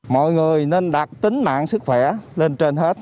mọi người nên đặt tính mạng sức khỏe lên trên hết